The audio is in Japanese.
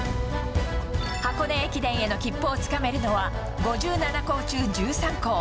箱根駅伝への切符をつかめるのは、５７校中１３校。